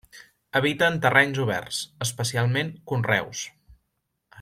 Habita en terrenys oberts, especialment conreus.